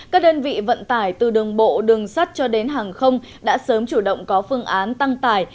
các đơn vị vận tải từ đường bộ đường sắt cho đến hàng không đã sớm chủ động có phương án tăng tải